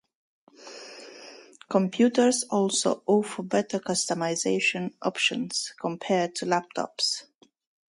Computers also offer better customization options compared to laptops.